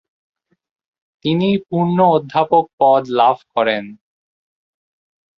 তিনি পূর্ণ অধ্যাপক পদ লাভ করেন।